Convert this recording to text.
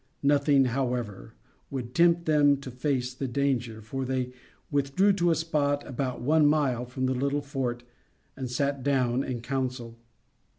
Nothing, however, would tempt them to face the danger, for they withdrew to a spot about one mile from the little fort and sat down in council.